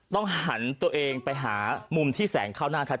หันตัวเองไปหามุมที่แสงเข้าหน้าชัด